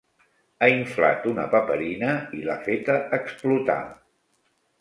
Ha inflat una paperina i l'ha feta explotar.